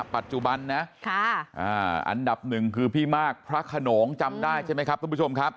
ปัจจุบันนะอันดับหนึ่งคือพี่มากพระขนงจำได้ใช่ไหมครับทุกผู้ชมครับ